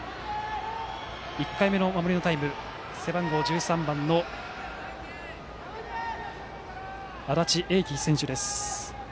１回目の守りのタイム背番号１３番の安達英輝選手です。